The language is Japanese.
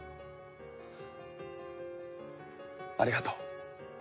ありがとう。